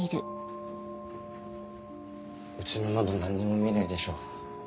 うちの窓何にも見えないでしょ。